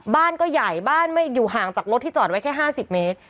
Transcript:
บ้านก็ใหญ่บ้านไม่อยู่ห่างจากรถที่จอดไว้แค่๕๐เมตร